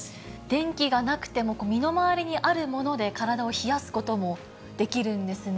電気がなくても、身の回りにあるもので体を冷やすこともできるんですね。